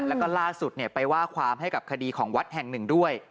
แล้วก็ล่าสุดไปว่าความให้กับคดีของวัดแห่งหนึ่งด้วย